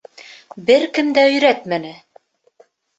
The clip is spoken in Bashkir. — Бер кем дә өйрәтмәне.